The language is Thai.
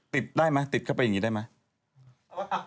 ติดได้ไหมติดเข้าไปอย่างนี้ได้ไหม